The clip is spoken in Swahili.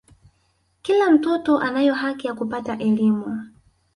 kila mtoto anayo haki ya kupata elimu